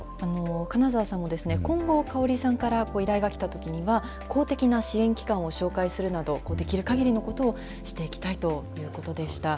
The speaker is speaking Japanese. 金澤さんも今後、カオリさんから依頼が来たときには、公的な支援機関を紹介するなど、できるかぎりのことをしていきたいというこ